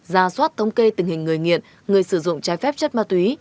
ra soát thống kê tình hình người nghiện người sử dụng trái phép chất ma túy